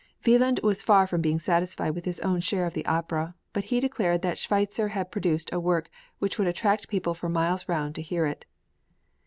{MANNHEIM.} (402) Wieland was far from being satisfied with his own share of the opera, but he declared that Schweitzer had produced a work which would attract people for miles round to hear it.